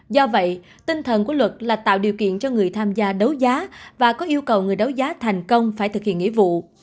do vậy tinh thần của luật là tạo điều kiện cho người tham gia đấu giá và có yêu cầu người đấu giá thành công phải thực hiện nghĩa vụ